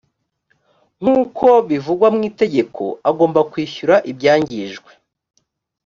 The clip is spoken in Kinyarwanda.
nkuko bivugwa mwitegeko agomba kwishyura ibyangijwe